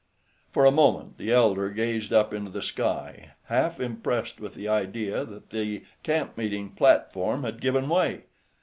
For a moment the elder gazed up into the sky, half impressed with the idea that the camp meeting platform had given way.